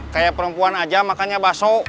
kayak perempuan aja makannya bakso